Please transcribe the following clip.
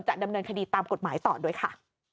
ดำเนินคดีตามกฎหมายต่อด้วยค่ะ